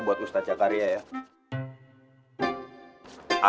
buat ustadz jakaria ya